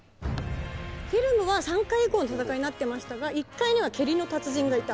フィルムは３階以降の戦いになってましたが１階には蹴りの達人がいた。